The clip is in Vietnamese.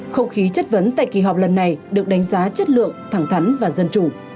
không khí chất vấn tại kỳ họp lần này được đánh giá chất lượng thẳng thắn và dân chủ